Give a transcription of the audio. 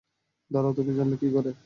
দাঁড়াও, তুমি জানলে কী করে?